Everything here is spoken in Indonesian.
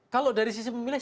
kalau dari sisi pemilih